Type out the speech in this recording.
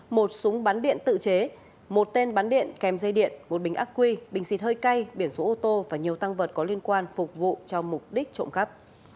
một súng bắn điện tự chế một tên bắn điện kèm dây điện một bình ác quy bình xịt hơi cay biển số ô tô và nhiều tăng vật có liên quan phục vụ cho mục đích trộm cắp